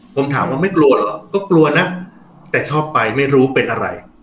ผมถามว่าไม่กลัวเหรอก็กลัวนะแต่ชอบไปไม่รู้เป็นอะไร